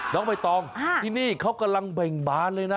น้องไบตองว่าที่นี่กำลังเบ่งบ้านเลยนะ